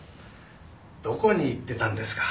どこに行ってたんですか？